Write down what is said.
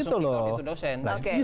terima kasih tujuh puluh tiga